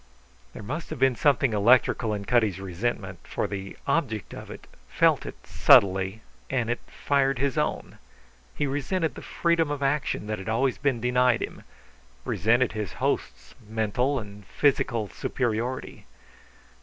There must have been something electrical in Cutty's resentment, for the object of it felt it subtly, and it fired his own. He resented the freedom of action that had always been denied him, resented his host's mental and physical superiority.